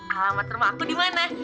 alamat rumah aku di mana